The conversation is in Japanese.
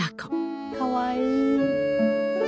かわいい。